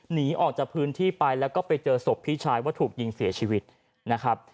หนีออกจากพื้นที่ไปแล้วก็ไปเจอศพพี่ชายว่าถูกยิงเสียชีวิตนะครับ